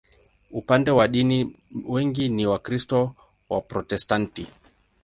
Upande wa dini, wengi ni Wakristo Waprotestanti.